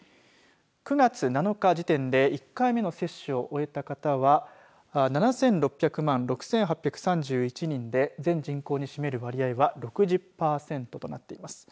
９月７日時点で１回目の接種を終えた方は７６００万６８３１人で全人口に占める割合は６０パーセントとなっています。